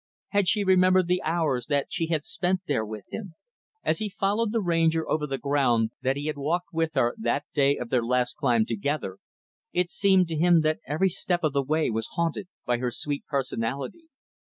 Had she remembered the hours that she had spent there with him? As he followed the Ranger over the ground that he had walked with her, that day of their last climb together, it seemed to him that every step of the way was haunted by her sweet personality.